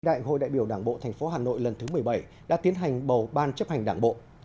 đại hội đại biểu đảng bộ thành phố hà nội lần thứ một mươi bảy đã tiến hành bầu ban chấp hành đảng bộ